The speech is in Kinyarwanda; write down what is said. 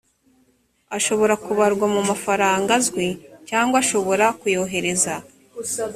ashobora kubarwa mu mafaranga azwi cyangwa ashobora kuyohereza